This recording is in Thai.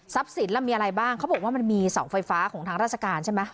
สินแล้วมีอะไรบ้างเขาบอกว่ามันมีเสาไฟฟ้าของทางราชการใช่ไหม